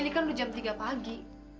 ini kan udah jam tiga pagi